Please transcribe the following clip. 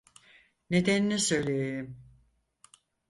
Nedenini söyleyeyim.